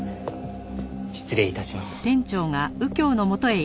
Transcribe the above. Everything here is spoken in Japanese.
失礼致します。